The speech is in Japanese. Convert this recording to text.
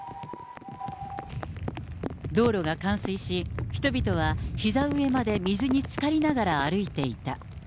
道路が冠水し、人々はひざ上まで水に浸かりながら歩いていた。